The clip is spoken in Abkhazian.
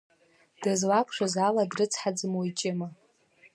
Дызлақәшәаз ала дрыцҳаӡам уи, Ҷыма…